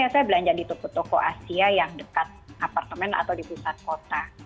saya belanja di toko toko asia yang dekat apartemen atau di pusat kota